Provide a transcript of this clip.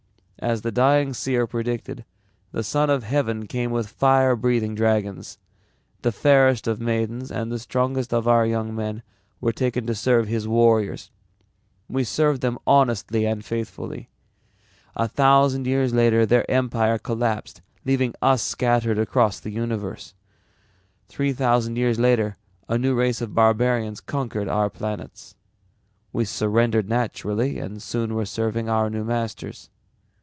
As the dying seer predicted the Son of Heaven came with fire breathing dragons. The fairest of maidens and the strongest of our young men were taken to serve his warriors. We served them honestly and faithfully. A thousand years later their empire collapsed leaving us scattered across the universe. Three thousand years later a new race of barbarians conquered our planets. We surrendered naturally and soon were serving our new masters.